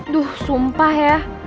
duh sumpah ya